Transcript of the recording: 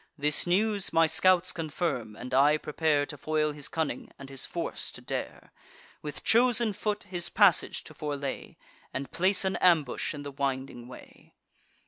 This news my scouts confirm, and I prepare To foil his cunning, and his force to dare; With chosen foot his passage to forelay, And place an ambush in the winding way.